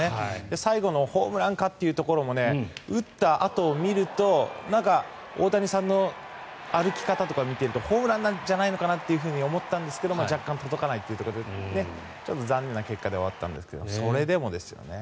最後のホームランかっていうところも打ったあとを見ると大谷さんの歩き方とかを見ているとホームランなんじゃないかなって思ったんですけど若干届かないというところでちょっと残念な結果ではあったんですがそれでもですよね。